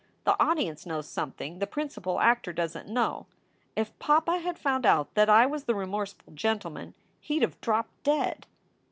The audience knows something the principal actor doesn t know. If poppa had found out that I was the remorseful gentleman he d have dropped dead."